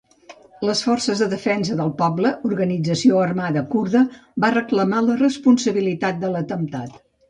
Les Forces de Defensa del Poble, organització armada kurda, va reclamar la responsabilitat de l'atemptat.